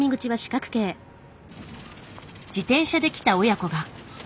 自転車で来た親子が。